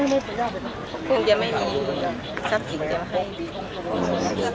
มีทรัพย์อีกเดี๋ยวไหม